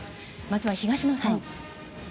まずは東野さん。